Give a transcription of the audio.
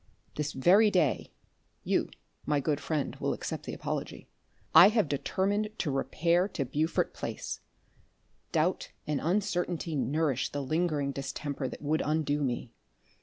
This very day, (you, my good friend, will accept the apology) I had determined to repair to Beaufort Place. Doubt and uncertainty nourish the lingering distemper that would undo me.